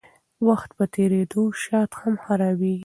وخت په تېرېدو شات هم خرابیږي.